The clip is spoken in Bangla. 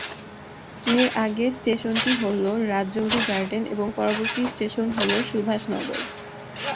এর আগের স্টেশনটি হল রাজৌরি গার্ডেন এবং পরবর্তী স্টেশন হল সুভাষ নগর।